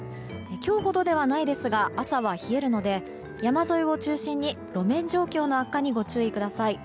今日ほどではないですが朝は冷えるので山沿いを中心に路面状況の悪化にご注意ください。